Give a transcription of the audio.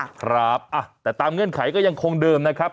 ครับแต่ตามเงื่อนไขก็ยังคงเดิมนะครับ